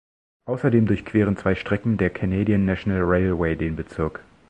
Außerdem durchqueren zwei Strecken der Canadian National Railway den Bezirk.